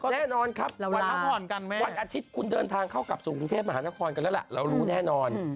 แน่นอนครับวันอาทิตย์คุณเดินทางเข้ากลับสู่กรุงเทพมหานครกันแล้วล่ะเรารู้แน่นอน